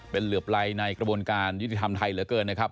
เป็นเหลือปลายในกระบวนการยุติธรรมไทยเหลือเกินนะครับ